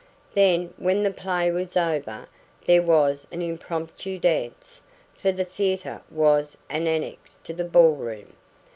Then, when the play was over, there was an impromptu dance, for the theatre was an ANNEXE to the ball room.